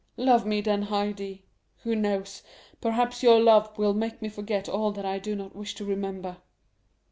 Love me then, Haydée! Who knows? perhaps your love will make me forget all that I do not wish to remember."